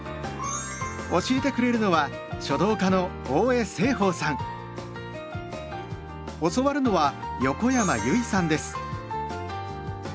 教えてくれるのは教わるのは横山由依さんです。